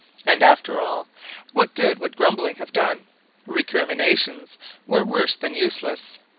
And after all, what good would grumbling have done? Recriminations were worse than useless.